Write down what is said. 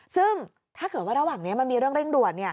ซึ่งถ้าเกิดว่าระหว่างนี้มันมีเรื่องเร่งด่วน